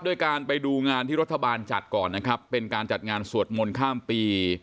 การไปดูงานที่รัฐบาลจัดก่อนนะครับเป็นการจัดงานสวดมนต์ข้ามปี